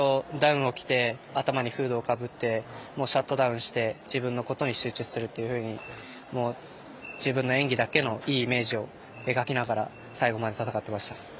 今日はずっとダウンを着て頭にフードをかぶってシャットダウンして自分のことに集中するというふうに自分のいいイメージを描きながら最後まで戦っていました。